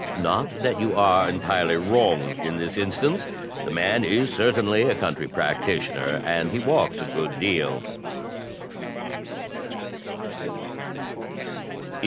Not that you are entirely wrong in this instance. The man is certainly a country practitioner. And he walks a good deal."